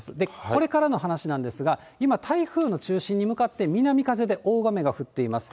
これからの話なんですが、今、台風の中心に向かって南風で大雨が降っています。